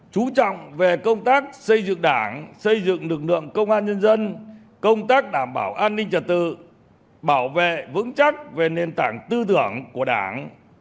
chú trọng về công tác xây dựng đảng xây dựng lực lượng công an nhân dân công tác đảm bảo an ninh trật tự bảo vệ vững chắc về nền tảng tư tưởng của đảng